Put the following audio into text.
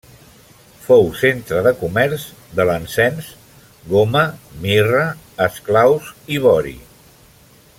Fou centre de comerç de l'encens, goma, mirra, esclaus i vori.